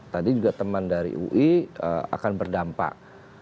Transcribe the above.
tadi juga teman dari ui akan berdampak